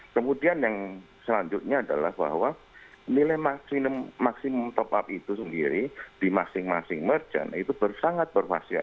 kemudian yang selanjutnya adalah bahwa nilai maksimum top up itu sendiri di masing masing merchant itu sangat bervaksiat